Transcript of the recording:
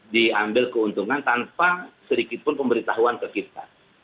diambil keuntungan tanpa sedikitpun pemberitahuan ke kita